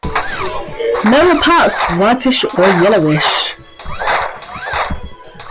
Lower parts whitish or yellowish.